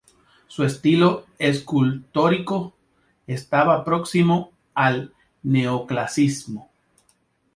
Su estilo escultórico estaba próximo al neoclasicismo.